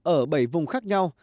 ở bảy vùng khác nhau